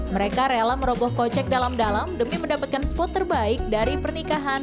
mereka rela merogoh kocek dalam dalam demi mendapatkan spot terbaik dari pernikahan